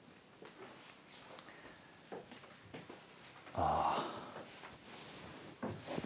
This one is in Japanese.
ああ。